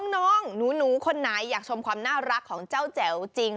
น้องหนูคนไหนอยากชมความน่ารักของเจ้าแจ๋วจริง